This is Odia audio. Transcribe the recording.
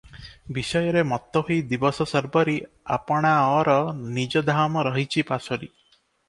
ବିଷୟରେ ମତ୍ତ ହୋଇ ଦିବସଶର୍ବରୀ, ଆପଣାଅର ନିଜ ଧାମ ରହିଛି ପାସୋରି ।